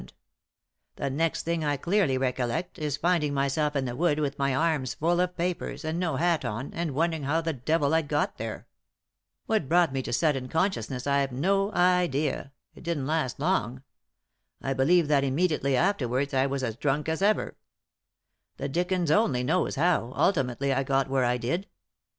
246 3i 9 iii^d by Google THE INTERRUPTED KISS The next thing I clearly recollect is finding myself in the wood with my arms full of papers, and no hat on, and wondering how the devil I'd got there. What brought me to sudden consciousness I've no idea ; it didn't last long ; I believe that immediately afterwards I was as drunk as ever. The dickens only knows how, ultimately, I got where I did.